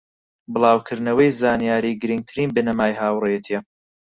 بڵاوکردنەوەی زانیاری گرنگترین بنەمای هاوڕێیەتیە